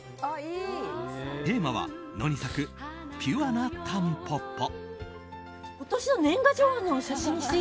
テーマは野に咲くピュアなたんぽぽ。